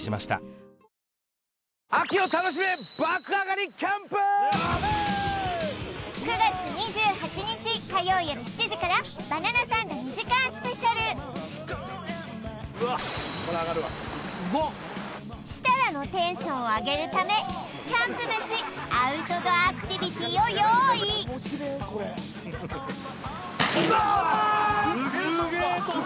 ・これ上がるわうまっ設楽のテンションを上げるためキャンプ飯アウトドアアクティビティーを用意うわっ！